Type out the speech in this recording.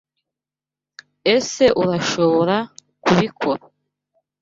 Ese Urashobora kubikora.